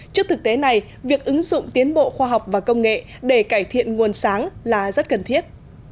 trước thực tế này việc ứng dụng tiến bộ khoa học và công nghệ để cải thiện nguồn sáng là rất cần thiết